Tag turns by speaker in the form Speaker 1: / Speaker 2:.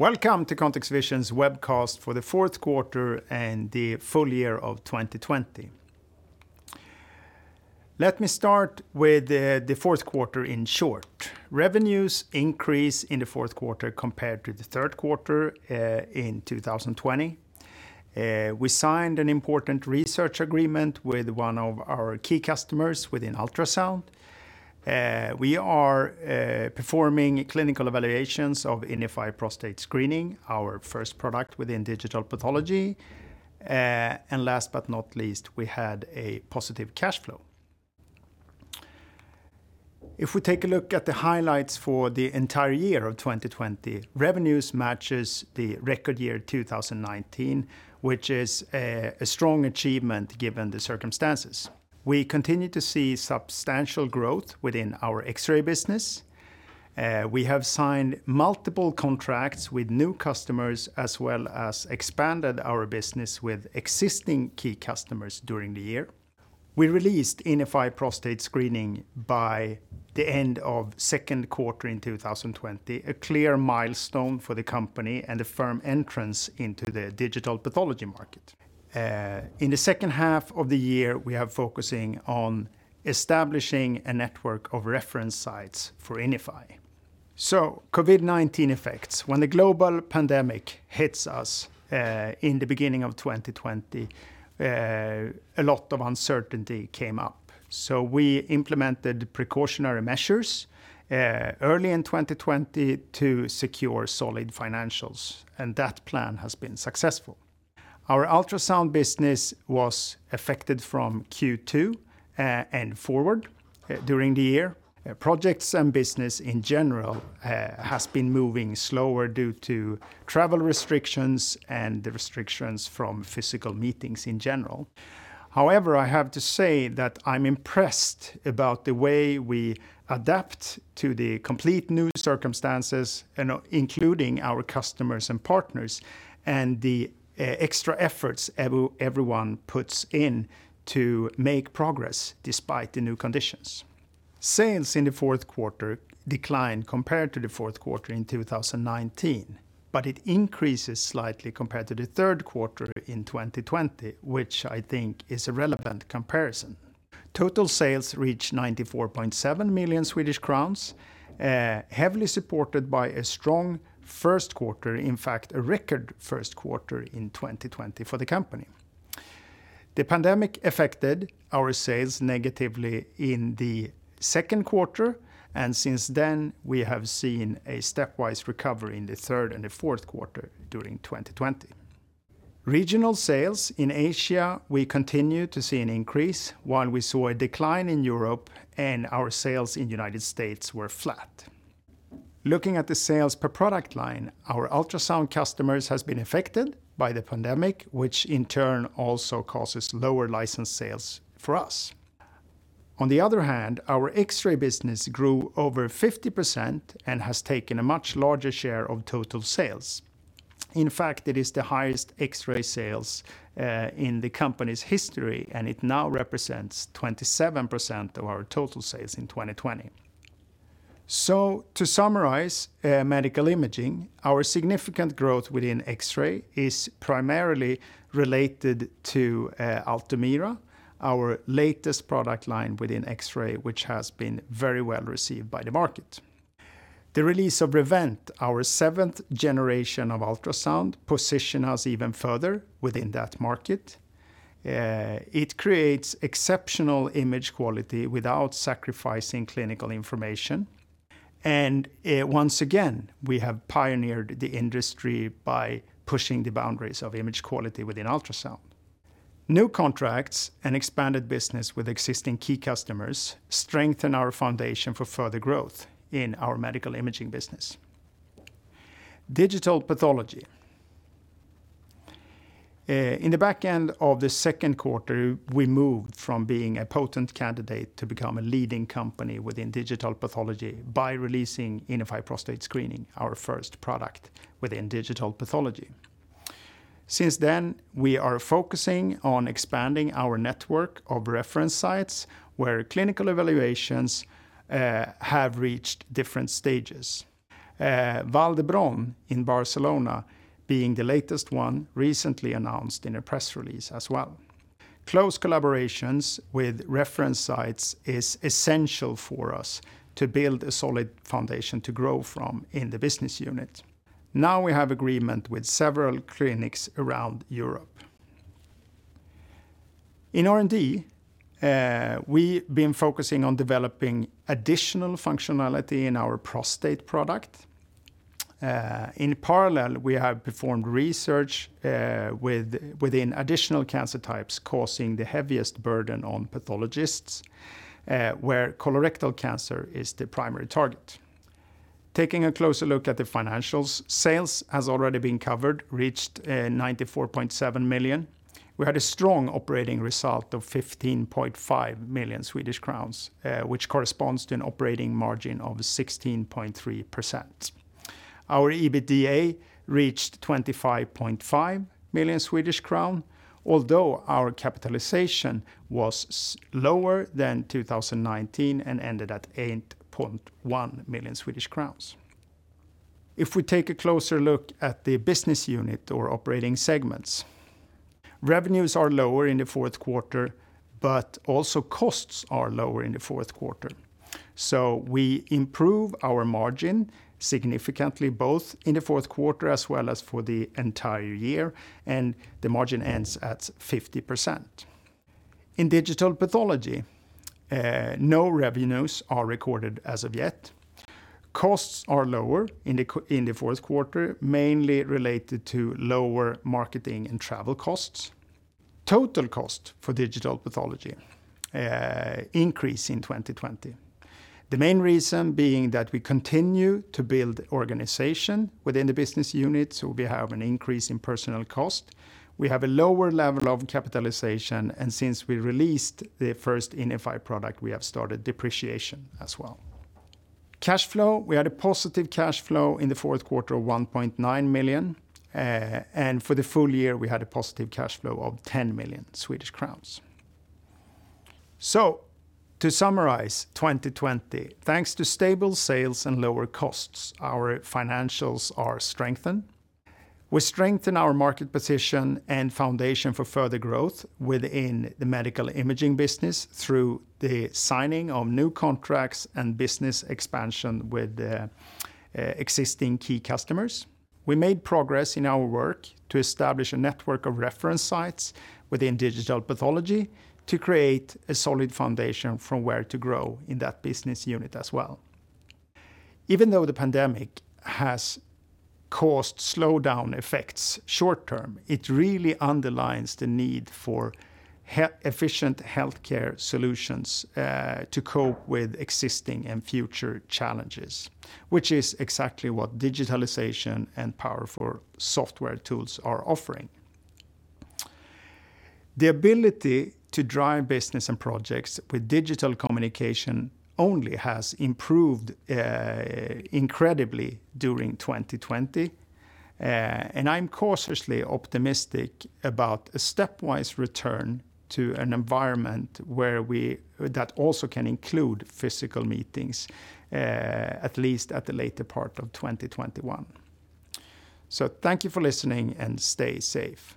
Speaker 1: Welcome to ContextVision's Webcast for the Fourth Quarter and the Full Year of 2020. Let me start with the fourth quarter in short. Revenues increased in the fourth quarter compared to the third quarter in 2020. We signed an important research agreement with one of our key customers within ultrasound. We are performing clinical evaluations of INIFY Prostate Screening, our first product within digital pathology. Last but not least, we had a positive cash flow. If we take a look at the highlights for the entire year of 2020, revenues matches the record year 2019, which is a strong achievement given the circumstances. We continue to see substantial growth within our X-ray business. We have signed multiple contracts with new customers, as well as expanded our business with existing key customers during the year. We released INIFY Prostate Screening by the end of second quarter in 2020, a clear milestone for the company and a firm entrance into the digital pathology market. In the second half of the year, we are focusing on establishing a network of reference sites for INIFY. COVID-19 effects. When the global pandemic hit us in the beginning of 2020, a lot of uncertainty came up, so we implemented precautionary measures early in 2020 to secure solid financials, and that plan has been successful. Our ultrasound business was affected from Q2 and forward during the year. Projects and business in general has been moving slower due to travel restrictions and the restrictions from physical meetings in general. I have to say that I'm impressed about the way we adapt to the complete new circumstances, including our customers and partners, and the extra efforts everyone puts in to make progress despite the new conditions. Sales in the fourth quarter declined compared to the fourth quarter in 2019, but it increases slightly compared to the third quarter in 2020, which I think is a relevant comparison. Total sales reached 94.7 million Swedish crowns, heavily supported by a strong first quarter, in fact, a record first quarter in 2020 for the company. The pandemic affected our sales negatively in the second quarter, and since then, we have seen a stepwise recovery in the third and the fourth quarter during 2020. Regional sales in Asia, we continue to see an increase, while we saw a decline in Europe and our sales in the United States were flat. Looking at the sales per product line, our ultrasound customers have been affected by the pandemic, which in turn also causes lower license sales for us. On the other hand, our X-ray business grew over 50% and has taken a much larger share of total sales. In fact, it is the highest X-ray sales in the company's history, and it now represents 27% of our total sales in 2020. To summarize medical imaging, our significant growth within X-ray is primarily related to Altumira, our latest product line within X-ray, which has been very well received by the market. The release of Rivent, our seventh generation of ultrasound, positions us even further within that market. It creates exceptional image quality without sacrificing clinical information. Once again, we have pioneered the industry by pushing the boundaries of image quality within ultrasound. New contracts and expanded business with existing key customers strengthen our foundation for further growth in our medical imaging business. Digital pathology. In the back end of the second quarter, we moved from being a potent candidate to become a leading company within digital pathology by releasing INIFY Prostate Screening, our first product within digital pathology. Since then, we are focusing on expanding our network of reference sites where clinical evaluations have reached different stages. Vall d'Hebron in Barcelona being the latest one recently announced in a press release as well. Close collaborations with reference sites is essential for us to build a solid foundation to grow from in the business unit. Now we have agreement with several clinics around Europe. In R&D, we've been focusing on developing additional functionality in our prostate product. In parallel, we have performed research within additional cancer types causing the heaviest burden on pathologists, where colorectal cancer is the primary target. Taking a closer look at the financials, sales have already been covered, reached 94.7 million. We had a strong operating result of 15.5 million Swedish crowns, which corresponds to an operating margin of 16.3%. Our EBITDA reached 25.5 million Swedish crown, although our capitalization was lower than 2019 and ended at 8.1 million Swedish crowns. If we take a closer look at the business unit or operating segments, revenues are lower in the fourth quarter, but also costs are lower in the fourth quarter. We improve our margin significantly both in the fourth quarter as well as for the entire year, and the margin ends at 50%. In digital pathology, no revenues are recorded as of yet. Costs are lower in the fourth quarter, mainly related to lower marketing and travel costs. Total cost for digital pathology increase in 2020. The main reason being that we continue to build organization within the business unit, so we have an increase in personnel cost. We have a lower level of capitalization, and since we released the first INIFY product, we have started depreciation as well. Cash flow, we had a positive cash flow in the fourth quarter of 1.9 million, and for the full year, we had a positive cash flow of 10 million Swedish crowns. To summarize 2020, thanks to stable sales and lower costs, our financials are strengthened. We strengthen our market position and foundation for further growth within the medical imaging business through the signing of new contracts and business expansion with existing key customers. We made progress in our work to establish a network of reference sites within digital pathology to create a solid foundation from where to grow in that business unit as well. Even though the pandemic has caused slowdown effects short term, it really underlines the need for efficient healthcare solutions to cope with existing and future challenges, which is exactly what digitalization and powerful software tools are offering. The ability to drive business and projects with digital communication only has improved incredibly during 2020. I'm cautiously optimistic about a stepwise return to an environment that also can include physical meetings, at least at the later part of 2021. Thank you for listening, and stay safe.